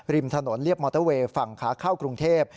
ริมถนนเรียบมอเตอร์เวย์ฝั่งขาเข้ากรุงเทพ